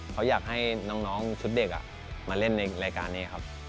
เขาอยากให้น้องชุดเด็กมาเล่นในรายการนี้ครับ